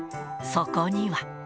そこには。